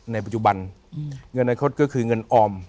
ในปัจจุบันเงินอนาคตก็คือเงินออม